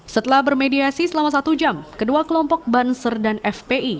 setelah bermediasi selama satu jam kedua kelompok banser dan fpi